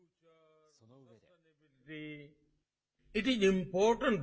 その上で。